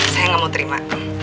saya gak mau terima